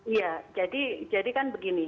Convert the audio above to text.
iya jadi kan begini